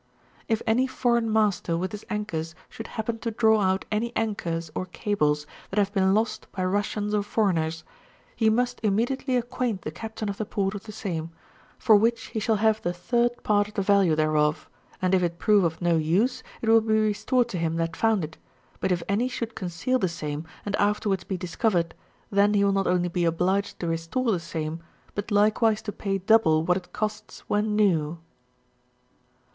If any foreign master with his anchors should happen to draw out any anchors or cables that have been lost by Russians or foreigners, ne must immediatdy acquaint the captun of the port of the same, for which he shall have the third part of the value thereof: and it it prove of no use, it will be restored to hifn that found it; but if any should conceal the same, and afterwards be discovered, then he will not only be obliged to restore the same, but likewise to pay double what it costs when new.